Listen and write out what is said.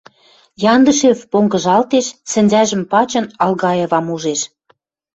— Яндышев понгыжалтеш, сӹнзӓжӹм пачын, Алгаевам ужеш.